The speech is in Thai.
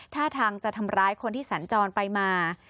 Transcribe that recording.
ท่าทางจะทำร้ายคนที่สัญจรไปมา